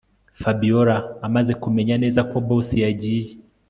Fabiora amaze kumenya neza ko boss yagiye